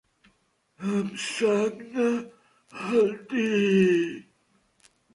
Em sagna el dit!